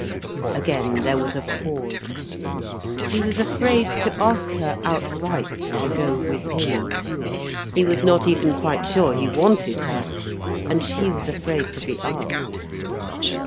Again there was a pause. He was afraid to ask her outright to go with him, he was not even quite sure he wanted her; and she was afraid to be asked.